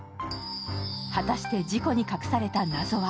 果たして事故に隠された謎は？